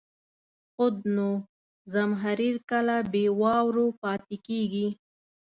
خود نو، زمهریر کله بې واورو پاتې کېږي.